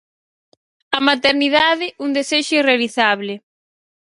A maternidade: un desexo irrealizable.